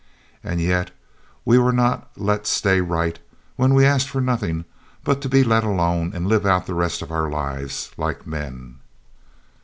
And yet we were not let stay right when we asked for nothing but to be let alone and live out the rest of our lives like men.